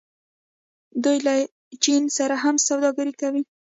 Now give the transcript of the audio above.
دوی له چین سره هم سوداګري کوي.